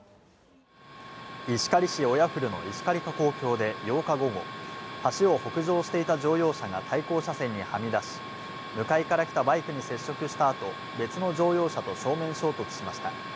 石狩市生振の石狩河口橋で８日午後、橋を北上していた乗用車が対向車線にはみ出し、向かいから来たバイクと接触したあと、別の乗用車と正面衝突しました。